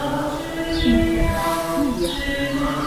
internacia